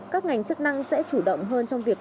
các ngành chức năng sẽ chủ động hơn trong việc